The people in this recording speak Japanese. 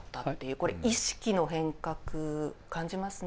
これ意識の変革感じますね。